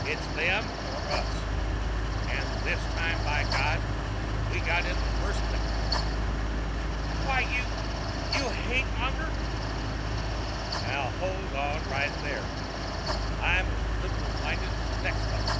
It's them or us. And this time, by God, we got in the first lick!" "Why you ... you ... hate monger!" "Now, hold on right there. I'm as liberal minded as the next feller.